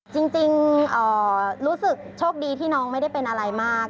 จริงรู้สึกโชคดีที่น้องไม่ได้เป็นอะไรมาก